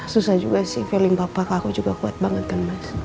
susah juga sih feeling papa ke aku juga kuat banget kan mas